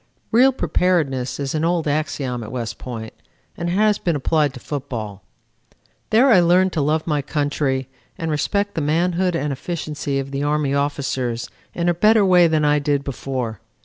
Real preparedness is an old axiom at West Point and it has been applied to football. There I learned to love my country and respect the manhood and efficiency of the Army officers in a better way than I did before.